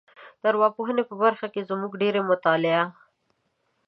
د ارواپوهنې په برخه کې زموږ ډېری مطالعه